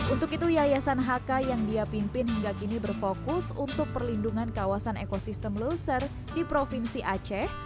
untuk itu yayasan hk yang dia pimpin hingga kini berfokus untuk perlindungan kawasan ekosistem loser di provinsi aceh